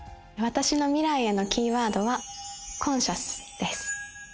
私の未来へのキーワードはコンシャスです。